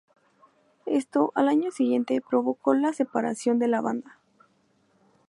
Esto, al año siguiente, provocó la separación de la banda.